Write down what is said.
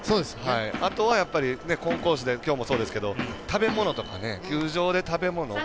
あとは、やっぱりコンコースできょうもそうですけど球場の食べ物。